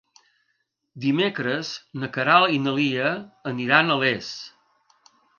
Dimecres na Queralt i na Lia aniran a Les.